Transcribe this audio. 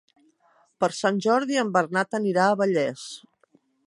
Per Sant Jordi en Bernat anirà a Vallés.